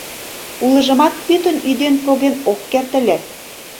Улыжымат пӱтынь ӱден-поген ок керт ыле.